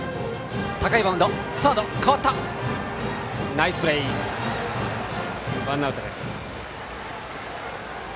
ナイスプレー、ワンアウトです。